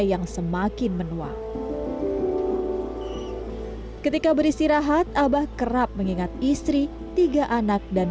yang semakin menua ketika beristirahat abah kerap mengingat istri tiga anak dan